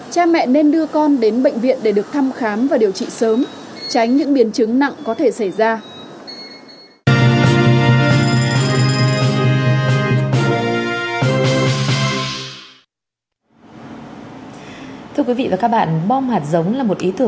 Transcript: cha mẹ nên đưa con đến bệnh viện để được thăm khám và điều trị sớm